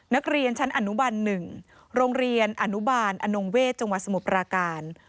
นักเรียนชั้นอนุบัน๑โรงเรียนอนุบาลอนงเวศจังหวัดสมุทรปราการ